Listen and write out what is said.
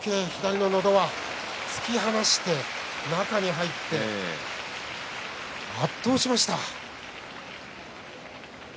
突き放して中に入って圧倒しました。